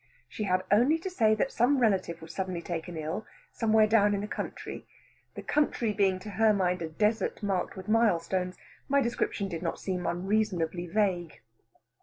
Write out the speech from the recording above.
She had only to say that some relative was suddenly taken ill, somewhere down in the country; the country being to her mind a desert marked with milestones, my description did not seem unreasonably vague.